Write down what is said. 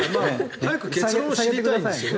早く結論を知りたいんですね。